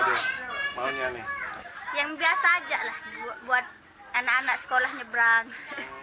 yang biasa aja lah buat anak anak sekolah nyebrang